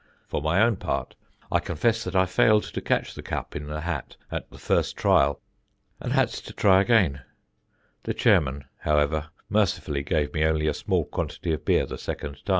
For my own part, I confess that I failed to catch the cup in the hat at the first trial and had to try again; the chairman, however, mercifully gave me only a small quantity of beer the second time."